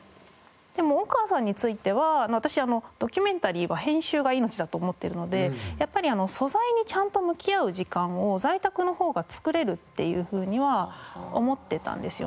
でも大川さんについては私ドキュメンタリーは編集が命だと思っているのでやっぱり素材にちゃんと向き合う時間を在宅のほうが作れるっていうふうには思ってたんですよね。